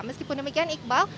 meskipun demikian iqbal